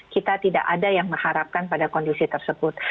kita tidak ada yang mengharapkan pada kondisi tersebut